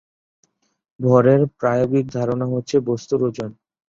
ভরের প্রায়োগিক ধারণা হচ্ছে বস্তুর ওজন।